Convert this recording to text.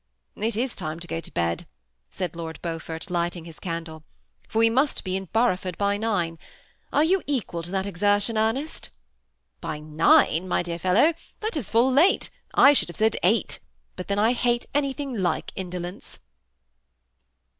*^It is time to go to bed," said Lord Beaufort^ lighting his candle, *^ for we must be in Boroughford by nine. Are you equal to that exertion, Ernest ?" ^By nine, my dear fellow! that is full late. I should have said eight; but then I hate anything like indolence."